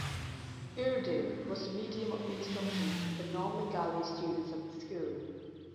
Urdu was the medium of instruction for non-Bengali students of the school.